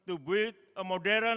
untuk membuat pasukan udara modern